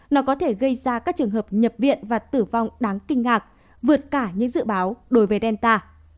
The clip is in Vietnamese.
nó có thể gây ra các trường hợp nhập viện và tử vong đáng kinh ngạc vượt cả những dự báo đối với delta